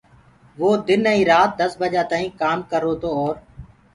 وو دن ائيٚنٚ رآتيٚ دس بجآ تآئيٚنٚ ڪآم ڪررو تو اور